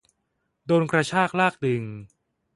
โดนกระชากลากดึง